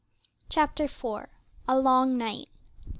CHAPTER IV. A LONG NIGHT.